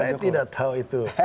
saya tidak tahu itu